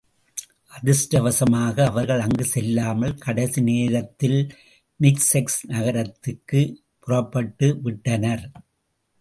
அதிர்ஷ்டவசமாக அவர்கள் அங்கு செல்லாமல், கடைசி நோத்தில் மிக்செல்ஸ் நகரத்திற்குப் புறப்பட்டுவிட்டனர்.